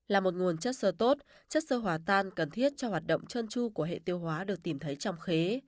là một nguồn chất sơ tốt chất sơ hỏa tan cần thiết cho hoạt động chân chu của hệ tiêu hóa được tìm thấy trong khế